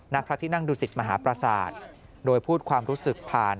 ณพระที่นั่งดูสิตมหาประสาทโดยพูดความรู้สึกผ่าน